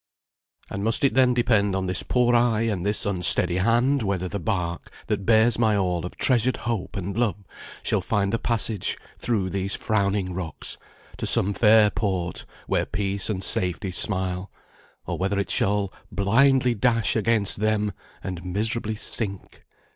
"And must it then depend on this poor eye And this unsteady hand, whether the bark, That bears my all of treasured hope and love, Shall find a passage through these frowning rocks To some fair port where peace and safety smile, Or whether it shall blindly dash against them, And miserably sink?